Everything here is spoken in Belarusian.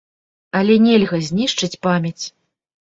Але нельга знішчыць памяць.